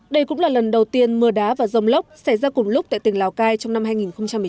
đây cũng là lần đầu tiên mưa đá và rông lốc xảy ra cùng lúc tại tỉnh lào cai trong năm hai nghìn một mươi chín